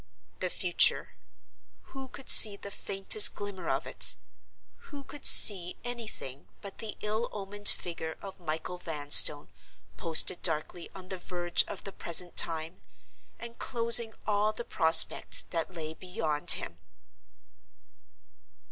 The future! Who could see the faintest glimmer of it? Who could see anything but the ill omened figure of Michael Vanstone, posted darkly on the verge of the present time—and closing all the prospect that lay beyond him?